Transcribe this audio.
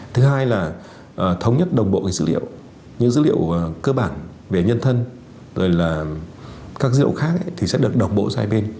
thứ hai là thống nhất đồng bộ dữ liệu những dữ liệu cơ bản về nhân thân rồi là các dữ liệu khác thì sẽ được độc bộ hai bên